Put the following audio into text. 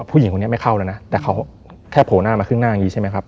ผู้หญิงคนนี้ไม่เข้าแล้วนะแต่เขาแค่โผล่หน้ามาครึ่งหน้าอย่างนี้ใช่ไหมครับ